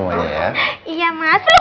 kangen ya lou out